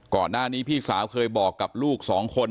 ก่อนหน้านี้พี่สาวเคยบอกกับลูกสองคน